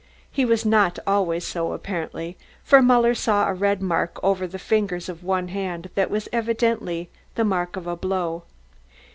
He was not always so apparently, for Muller saw a red mark over the fingers of one hand that was evidently the mark of a blow.